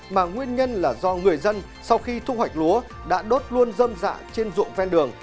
mà nguyên nhân là do người dân sau khi thu hoạch lúa đã đốt luôn dâm dạ trên ruộng ven đường